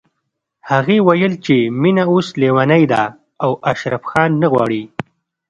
هغې ويل چې مينه اوس ليونۍ ده او اشرف خان نه غواړي